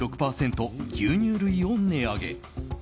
牛乳類を値上げ。